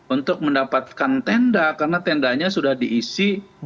untuk mendapatkan tenda karena tendanya sudah diisi